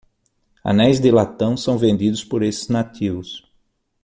Anéis de latão são vendidos por esses nativos.